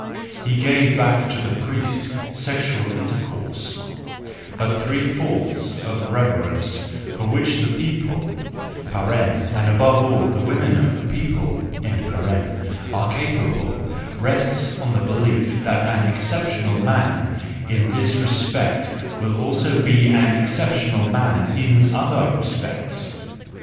He gave back WE FEARLESS ONES 313 to the priest sexual' intercourse: but three fourths of the reverence of which the people (and above all the women of the people) are capable, rests on the belief that an exceptional man in this respect will also be an exceptional man in other respects.